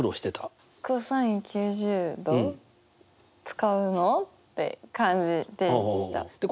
使うの？って感じでした。